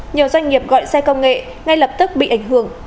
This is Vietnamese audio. nhiều doanh nghiệp gọi xe công nghệ ngay lập tức bị ảnh hưởng